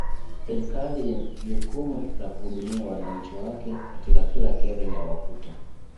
Serikali in jukumu la kuhudumia wananchi wake katika kila kero inayowakuta